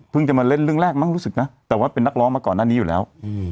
จะมาเล่นเรื่องแรกมั้งรู้สึกนะแต่ว่าเป็นนักร้องมาก่อนหน้านี้อยู่แล้ว